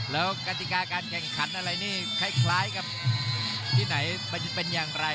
แล้วกติกาการแข่งขันอะไรนี่คล้ายกับที่ไหนเป็นอย่างไร